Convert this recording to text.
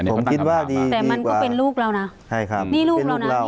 ผมคิดว่าดีแต่มันก็เป็นลูกเรานะใช่ครับนี่ลูกเรานะ